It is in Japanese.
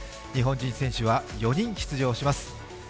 日本人選手は４人出場します。